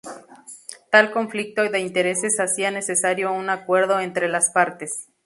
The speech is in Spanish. Tal conflicto de intereses hacía necesario un acuerdo entre las partes.